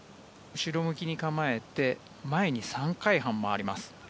後ろ向きに構えて前に３回半回ります。